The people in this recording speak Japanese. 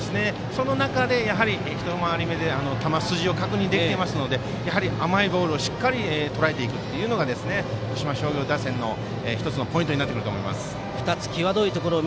その中で一回り目で球筋を確認できていますのでやはり、甘いボールをしっかりとらえていくことが徳島商業打線の１つのポイントになってくると思います。